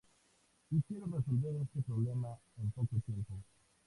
Y quiero resolver este problema en poco tiempo.